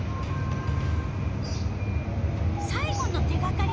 さい後の手がかり